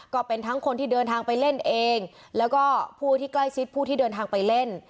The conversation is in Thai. ก็เป็นทั้งคนที่เดินทางไปเล่นเองแล้วก็ผู้ที่ใกล้ชิดผู้ที่เดินทางไปเล่น